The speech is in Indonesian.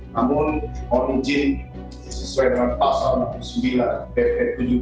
namun kalau dijin sesuai dengan pasal enam puluh sembilan bp tujuh ribu dua ratus dua puluh dua